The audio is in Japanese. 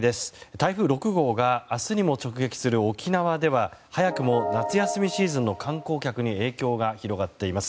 台風６号が明日にも直撃する沖縄では早くも夏休みシーズンの観光客に影響が広がっています。